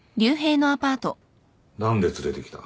何で連れてきた？